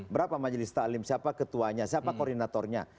berapa majelis ta'lim siapa ketuanya siapa koordinatornya